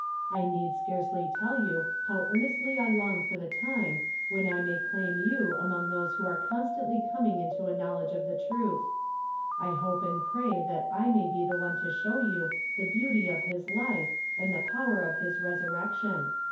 I need scarcely tell you how earnestly I long for the time when I may claim you among those who are constantly coming into a knowledge of the truth. I hope and pray that I may be the one to show you the beauty of his life and the power of his resurrection.